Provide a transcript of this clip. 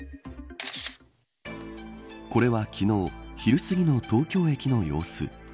これは昨日昼すぎの東京駅の様子。